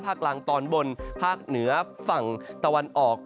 กลางตอนบนภาคเหนือฝั่งตะวันออก